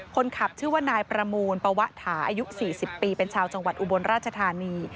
คนขับชื่อว่านายประมูลปวะถาอายุ๔๐ปีเป็นชาวจังหวัดอุบลราชธานี